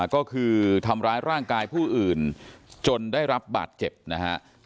ก็คือทำร้ายร่างกายผู้อื่นจนได้รับบาดเจ็บนะฮะ